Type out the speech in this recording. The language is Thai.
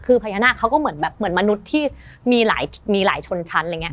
คือพญานาคเขาก็เหมือนมนุษย์ที่มีหลายชนชั้น